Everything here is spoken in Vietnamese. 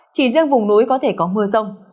chỉ riêng vùng núi có thể có mưa rông